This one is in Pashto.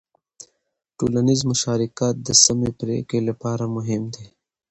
ټولنیز مشارکت د سمې پرېکړې لپاره مهم دی.